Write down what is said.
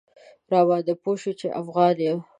راباندې پوی شو چې افغان یم.